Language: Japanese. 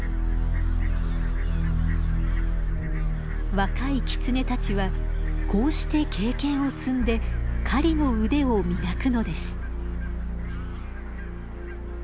若いキツネたちはこうして経験を積んで狩りの腕を磨くのです。